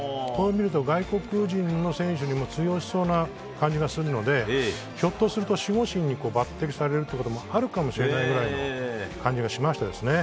外国人にも通用する感じがあるのでひょっとすると守護神に抜てきされることもあるかもしれないぐらいの感じがしましたですね。